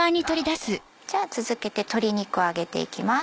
じゃあ続けて鶏肉を揚げていきます。